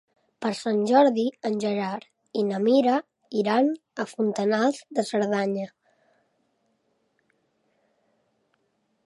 Per Sant Jordi en Gerard i na Mira iran a Fontanals de Cerdanya.